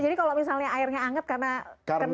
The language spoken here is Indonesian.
jadi kalau misalnya airnya anget karena